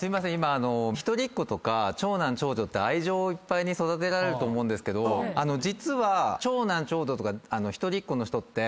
一人っ子長男長女って愛情いっぱいに育てられると思うんですけど実は長男長女とか一人っ子の人って。